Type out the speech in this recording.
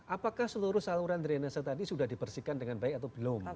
apakah seluruh saluran drenase tadi sudah dibersihkan dengan baik atau belum